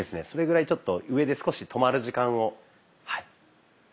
それぐらいちょっと上で少し止まる時間をはい。